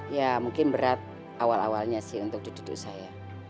ya mungkin berat awal awalnya sih untuk dituju saya